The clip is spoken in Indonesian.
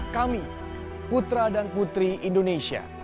kami putra dan putri indonesia